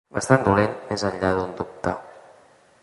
Bastant dolent, més enllà d'un dubte.